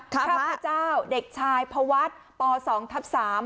ข้าพระเจ้าเด็กชายภาวัทธ์ป๋อสองทับสาม